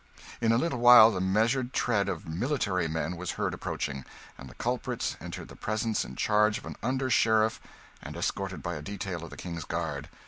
In a little while the measured tread of military men was heard approaching, and the culprits entered the presence in charge of an under sheriff and escorted by a detail of the king's guard.